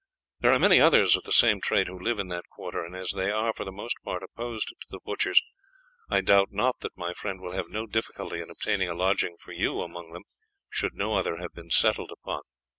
There are many others of the same trade who live in that quarter, and as they are for the most part opposed to the butchers, I doubt not that my friend will have no difficulty in obtaining a lodging for you among them should no other have been settled upon."